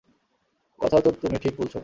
কথা তো তুমি ঠিক বলছো।